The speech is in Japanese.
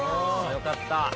よかった。